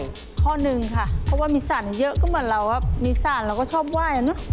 ข้อหนึ่งค่ะเพราะว่ามีสารเยอะก็เหมือนเรามีสารเราก็ชอบไหว้เนอะ